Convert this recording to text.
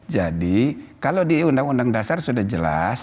jadi kalau di undang undang dasar sudah jelas